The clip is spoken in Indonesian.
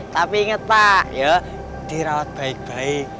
tapi inget pak dirawat baik baik